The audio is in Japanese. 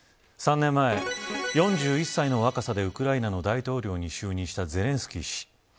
３年前、４１歳の若さでウクライナの大統領に就任したゼレンスキー氏。